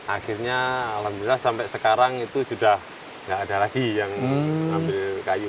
akhirnya alhamdulillah sampai sekarang itu sudah tidak ada lagi yang ambil kayu